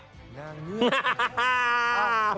นางเงือก